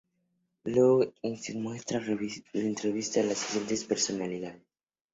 Look, Up in the Sky muestra entrevistas a las siguientes personalidades.